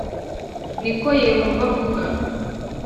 ni ko Yehova avuga